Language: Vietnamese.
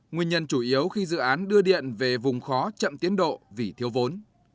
nguyên nhân chủ yếu khi dự án đưa điện về vùng khó chậm tiến độ vì thiếu vốn